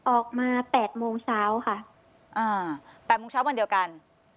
ออกมา๘โมงเช้าค่ะอ่า๘โมงเช้าวันเดียวกัน